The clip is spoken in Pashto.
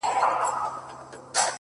اوس چي خبري كوم’